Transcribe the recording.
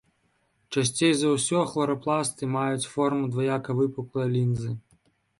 Часцей за ўсё хларапласты маюць форму дваякавыпуклай лінзы.